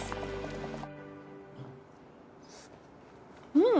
うん！